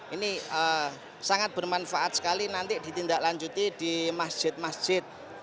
ini sangat bermanfaat sekali nanti ditindaklanjuti di masjid masjid